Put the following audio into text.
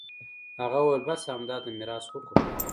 هغه وويل بس همدا د ميراث حکم دى.